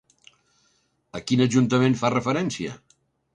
A quin ajuntament fa referència?